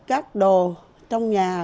các đồ trong nhà